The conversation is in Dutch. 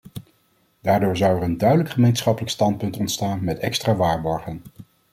Daardoor zou er een duidelijker gemeenschappelijk standpunt ontstaan met extra waarborgen.